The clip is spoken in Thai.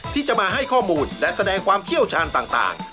ที่จะมาให้ข้อมูลและแสดงความเชี่ยวชาญต่าง